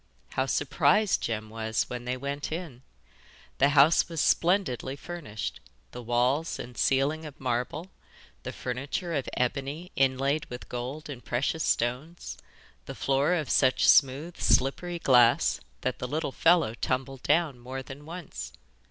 How surprised Jem was when they went in! The house was splendidly furnished, the walls and ceiling of marble, the furniture of ebony inlaid with gold and precious stones, the floor of such smooth slippery glass that the little fellow tumbled down more than once.